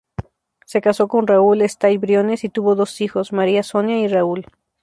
Se casó con Raúl Estay Briones y tuvo dos hijos, Maria Sonia y Raúl.